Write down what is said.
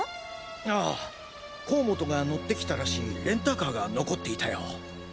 あぁ甲本が乗ってきたらしいレンタカーが残っていたよ。